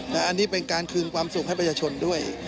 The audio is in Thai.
อันนี้เป็นการคืนความสุขให้ประชาชนด้วย